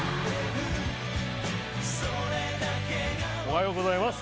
おはようございます。